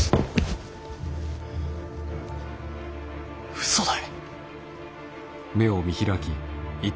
うそだ！